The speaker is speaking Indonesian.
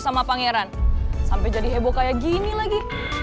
sampai jadi heboh kayak gini lagi